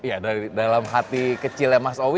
ya dari dalam hati kecilnya mas owi